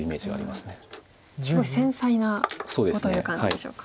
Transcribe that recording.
すごい繊細な碁という感じでしょうか。